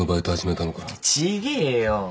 違えよ。